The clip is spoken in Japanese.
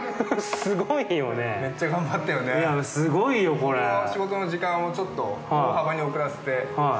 僕が仕事の時間をちょっと大幅に遅らせて。